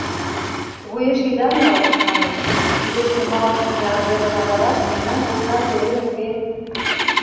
— Вуеш ида нал, — манеш, — кидеш нумалыштме арверым аралаш мемнан посна пӧлем уке.